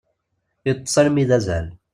Iṭṭes armi d azal.